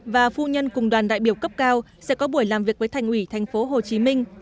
và phu nhân cùng đoàn đại biểu cấp cao sẽ có buổi làm việc với thành ủy thành phố hồ chí minh